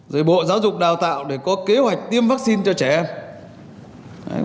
rồi bộ giáo dục đào tạo để có kế hoạch tiêm vaccine cho trẻ em